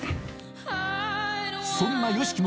そんなＹＯＳＨＩＫＩ